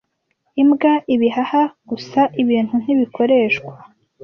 Imbwa ibihaha Gusa ibintu ntibikoreshwa